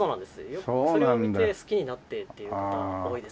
よくそれを見て好きになってっていう方多いですね。